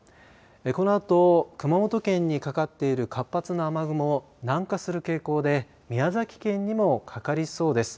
このあと熊本県にかかっている活発な雨雲南下する傾向で宮崎県にもかかりそうです。